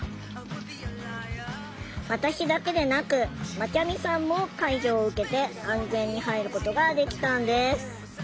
私だけでなくまちゃみさんも介助を受けて安全に入ることができたんです。